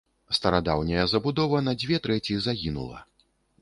Старадаўняя забудова на дзве трэці загінула.